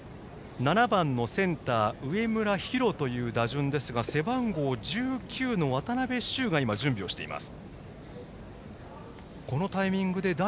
７番のセンター、上村陽大という打順ですが背番号１９の渡邊修が準備をしています。